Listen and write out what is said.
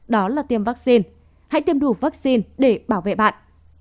đó là tiêm vaccine hãy tiêm đủ vaccine để bảo vệ bạn